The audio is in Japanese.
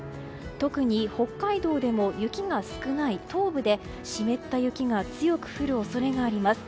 特に北海道でも雪が少ない東部で湿った雪が強く降る恐れがあります。